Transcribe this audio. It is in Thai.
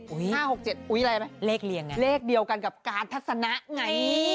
๕๖๗อุ๊ยอะไรนะเลขเดียวกันกับการทัศนะไง